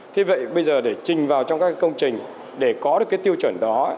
thế vậy bây giờ để trình vào trong các công trình để có được cái tiêu chuẩn đó